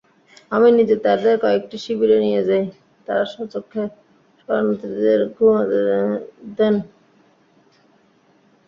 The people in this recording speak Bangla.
আমি নিজে তাঁদের কয়েকটি শিবিরে নিয়ে যাই, তাঁরা স্বচক্ষে শরণার্থীদের অবস্থা দেখেন।